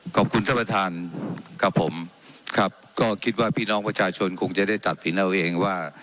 ขอบคุณท่านประธานครับผมครับก็คิดว่าพี่น้องประชาชนคงจะได้ตัดสินเอาเองว่า